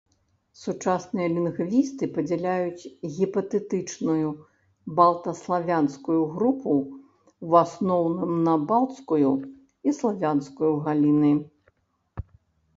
Сучасныя лінгвісты падзяляюць гіпатэтычную балта-славянскую групу ў асноўным на балцкую і славянскую галіны.